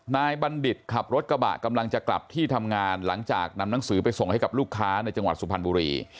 บัณฑิตขับรถกระบะกำลังจะกลับที่ทำงานหลังจากนำหนังสือไปส่งให้กับลูกค้าในจังหวัดสุพรรณบุรี